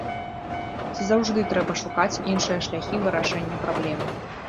Ці заўжды трэба шукаць іншыя шляхі вырашэння праблем?